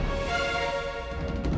aduh aku mau bantu